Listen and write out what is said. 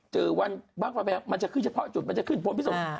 เจอวันบั๊กต่อไปมันจะขึ้นเฉพาะจุดมันจะขึ้นโฟนพิศวรรษ